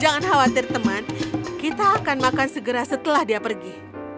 jangan khawatir teman kita akan makan segera setelah dia pergi